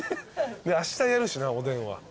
あしたやるしなおでんは。